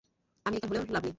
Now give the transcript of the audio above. American হলেও লাভ নেই।